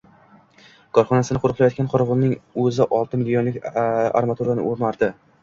Korxonasini qoʻriqlayotgan qorovulning oʻzi olti millionlik armaturani oʻmardi.